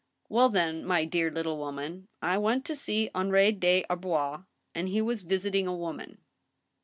" Well, then, my dear little woman. I went to see Henri des Ar bois, and he was visiting a woman."